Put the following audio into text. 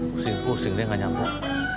pusing pusing deh gak nyambut